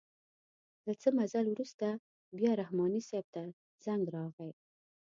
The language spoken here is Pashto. له څه مزل وروسته بیا رحماني صیب ته زنګ راغئ.